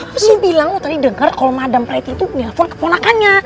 lo sih bilang lo tadi dengar kalau madam pretty tuh nelfon keponakannya